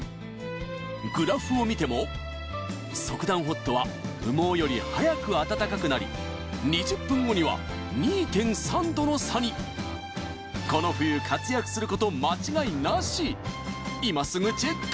グラフを見ても速暖Ｈｏｔは羽毛より速く暖かくなり２０分後には２．３℃の差にこの冬活躍すること間違いなし今すぐチェック！